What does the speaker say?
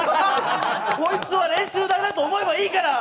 こいつは練習だなと思えばいいから！